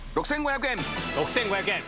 ６５００円。